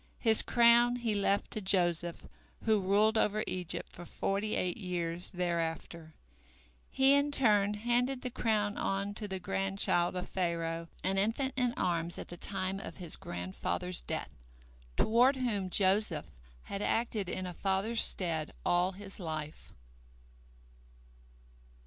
His crown he left to Joseph, who ruled over Egypt for forty eight years thereafter. He in turn handed the crown on to the grandchild of Pharaoh, an infant in arms at the time of his grandfather's death, toward whom Joseph had acted in a father's stead all his life.